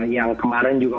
yang kemarin juga